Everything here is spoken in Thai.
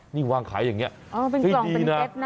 นี่วางขายอย่างนี้